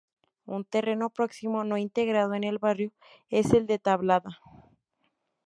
Un terreno próximo no integrado en el barrio es el de Tablada.